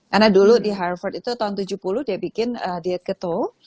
karena dulu di harvard itu tahun tujuh puluh dia bikin diet keto